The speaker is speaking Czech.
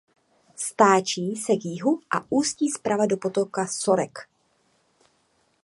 Stáčí se k jihu a ústí zprava do potoka Sorek.